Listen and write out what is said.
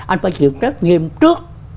anh phải chịu trách nhiệm trước